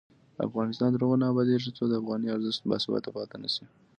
افغانستان تر هغو نه ابادیږي، ترڅو د افغانۍ ارزښت باثباته نشي.